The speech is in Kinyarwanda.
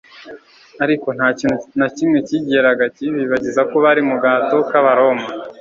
ariko nta kintu na kimwe cyigeraga kibibagiza ko bari mu gahato k'Abaroma,